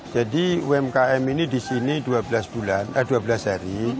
jadi umkm ini di sini dua belas bulan eh dua belas hari